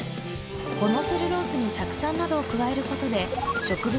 このセルロースに酢酸などを加えることで植物